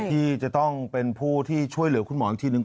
ที่จะต้องเป็นผู้ที่ช่วยเหลือคุณหมออีกทีหนึ่ง